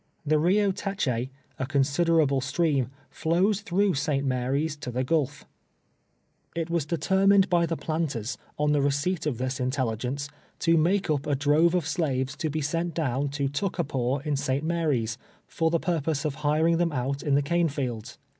The Kio Teche, a considerable stream, flows through St. Mary's to the gulf. 192 TWELVE YEAK3 A SLATE. It was cletermlnecl l)y the planters, on tlie receipt of tills intellii; ence, to make up a drove of slaves to be sent down to Tuckapaw in St. Mary's, for the pur pose of hiring them out in the cane fields.